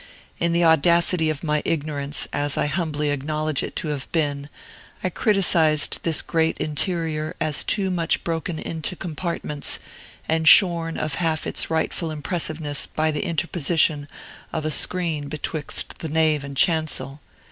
In the audacity of my ignorance, as I humbly acknowledge it to have been, I criticised this great interior as too much broken into compartments, and shorn of half its rightful impressiveness by the interposition of a screen betwixt the nave and chancel.